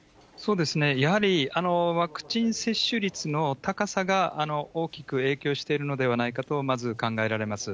やはりワクチン接種率の高さが大きく影響しているのではないかとまず考えられます。